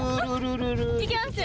いきますよ